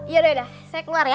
yaudah dah saya keluar ya